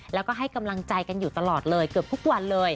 แล้วก็ให้กำลังใจกันอยู่ตลอดเลยเกือบทุกวันเลย